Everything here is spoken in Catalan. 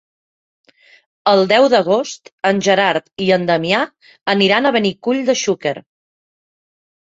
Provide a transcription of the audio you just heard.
El deu d'agost en Gerard i en Damià aniran a Benicull de Xúquer.